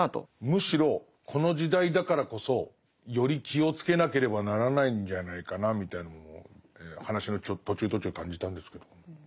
むしろこの時代だからこそより気をつけなければならないんじゃないかなみたいなものを話の途中途中感じたんですけど。